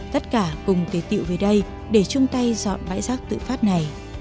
tất cả cùng tế tiệu về đây để chung tay dọn bãi rác tự phát này